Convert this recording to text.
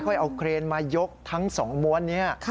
ค่อยเอาเครนมายกทั้ง๒มวลนี้